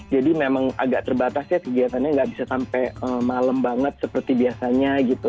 jadi memang agak terbatas ya kegiatannya nggak bisa sampai malem banget seperti biasanya gitu